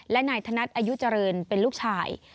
และนายธนัดอายุเจริญเป็นลูกชาย